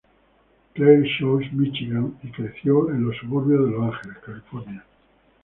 Clair Shores, Míchigan y creció en los suburbios de Los Ángeles, California.